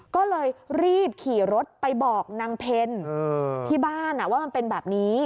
ก็เลยรีบขี่รถไปบอกนางเพลที่บ้านว่ามันเป็นแบบนี้